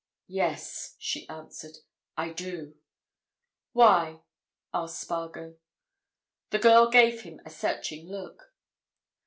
"Yes," she answered. "I do." "Why?" asked Spargo. The girl gave him a searching look.